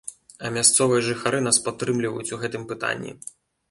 А мясцовыя жыхары нас падтрымліваюць у гэтым пытанні.